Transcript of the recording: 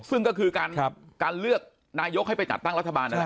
ซึ่งก็คือการเลือกนายกให้ไปจัดตั้งรัฐบาลนั่นแหละ